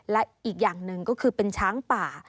และอีกอย่างหนึ่งก็คือเป็นช้างป่า